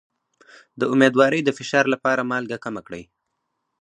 د امیدوارۍ د فشار لپاره مالګه کمه کړئ